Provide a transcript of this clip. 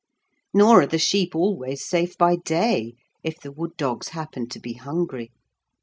Nor are the sheep always safe by day if the wood dogs happen to be hungry.